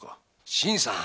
新さん！